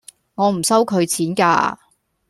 我唔收佢錢架